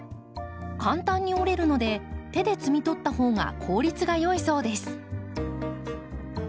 簡単に折れるので手で摘み取ったほうが効率が良いそうです。